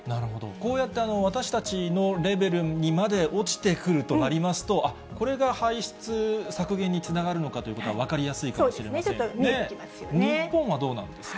こうやって私たちのレベルにまで落ちてくるとなりますと、あっ、これが排出削減につながるのかということは分かりやすいかもしれそうですね、ちょっと見えて日本はどうなんですか？